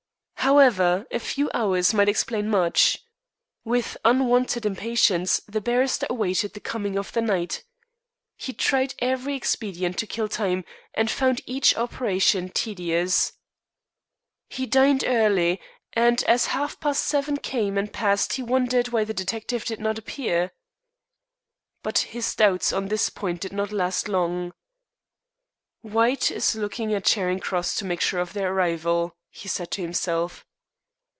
However, a few hours might explain much. With unwonted impatience the barrister awaited the coming of night. He tried every expedient to kill time, and found each operation tedious. He dined early, and as half past seven came and passed he wondered why the detective did not appear. But his doubts on this point did not last long. "White is looking at Charing Cross to make sure of their arrival," he said to himself.